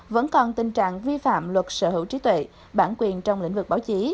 vẫn còn tình trạng vi phạm luật sở hữu trí tuệ bản quyền trong lĩnh vực báo chí